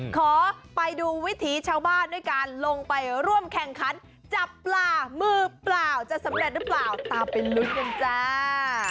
ขอไปดูวิถีชาวบ้านด้วยการลงไปร่วมแข่งขันจับปลามือเปล่าจะสำเร็จหรือเปล่าตามไปลุ้นกันจ้า